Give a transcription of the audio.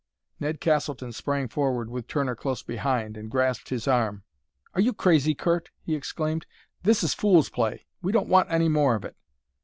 Ned Castleton sprang forward, with Turner close behind, and grasped his arm. "Are you crazy, Curt?" he exclaimed. "This is fool's play! We don't want any more of it!"